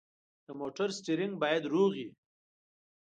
د موټر سټیرینګ باید روغ وي.